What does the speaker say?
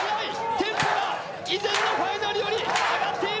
テンポが以前のファイナルより上がっている。